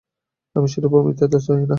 আমি সেরূপ অমৃতত্ব চাই না।